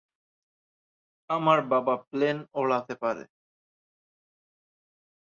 আমার বাবা প্লেন ওড়াতে পারে।